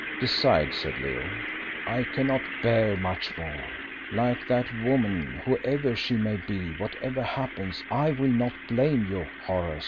"Decide," said Leo, "I cannot bear much more. Like that woman, whoever she may be, whatever happens, I will not blame you, Horace."